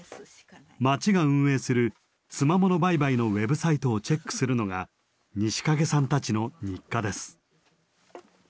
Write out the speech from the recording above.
町が運営するつまもの売買のウェブサイトをチェックするのが西蔭さんたちの日課です。